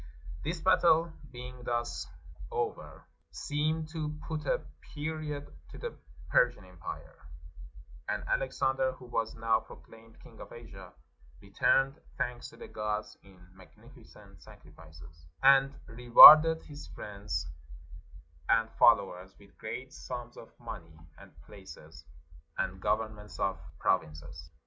This battle being thus over, seemed to put a period to the Persian empire; and Alexander, who was now proclaimed king of Asia, returned thanks to the gods in magnificent sacrifices, and rewarded his friends and fol lowers with great sums of money, and places, and gov ernments of provinces.